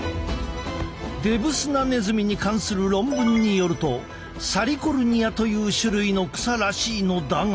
デブスナネズミに関する論文によるとサリコルニアという種類の草らしいのだが。